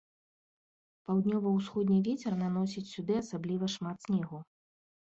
Паўднёва-ўсходні вецер наносіць сюды асабліва шмат снегу.